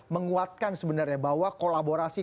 menguatkan sebenarnya bahwa kolaborasi